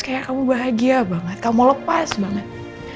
kayak kamu bahagia banget kamu lepas banget